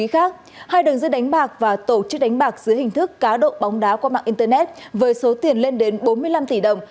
hai đường dây đánh bạc và tổ chức đánh bạc dưới hình thức cá độ bóng đá qua mạng internet với số tiền lên đến bốn mươi năm tỷ đồng